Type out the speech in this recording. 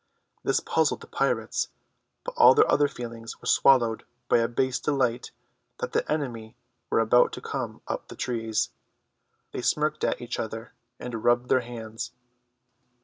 This puzzled the pirates, but all their other feelings were swallowed by a base delight that the enemy were about to come up the trees. They smirked at each other and rubbed their hands.